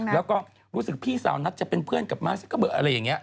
แล้วก็รู้สึกพี่สาวนัทจะเป็นเพื่อนกับมัสเกอร์เบอร์อะไรอย่างนี้